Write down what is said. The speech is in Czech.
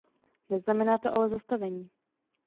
Neznamená to ale zastavení.